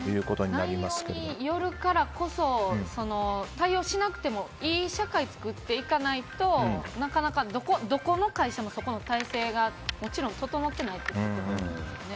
内容によるからこそ対応しなくてもいい社会を作っていかないとなかなかどこの会社もそこの体制がもちろん整ってないってことですよね。